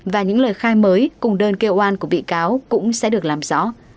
và những lời khai mới cùng đơn kêu oan của bị cáo cũng sẽ được làm rõ